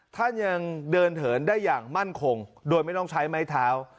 ท่านยังเดินเหินได้อย่างมั่นคงโดยไม่ต้องใช้ไม้เท้า